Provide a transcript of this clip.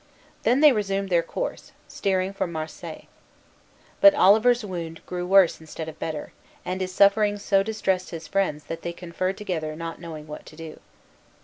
Then they resumed their course, steering for Marseilles. But Oliver's wound grew worse instead of better, and his sufferings so distressed his friends that they conferred together, not knowing what to do.